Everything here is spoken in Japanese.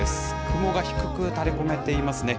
雲が低く垂れこめていますね。